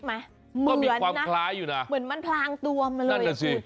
ก็มีความคล้ายอยู่นะเหมือนมันพลางตัวมาเลย